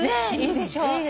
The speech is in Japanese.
いいでしょ？